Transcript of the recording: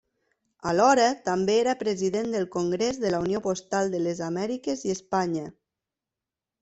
Alhora també era president del Congrés de la Unió Postal de les Amèriques i Espanya.